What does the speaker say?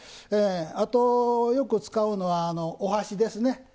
あと、よく使うのはお箸ですね。